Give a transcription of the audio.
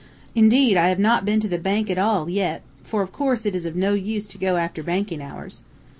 Indeed, I have not been to the Bank at all yet, for of course it is of no use to go after banking hours.'